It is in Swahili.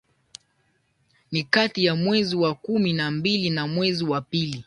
ni kati ya mwezi wa kumi na mbili na mwezi wa pili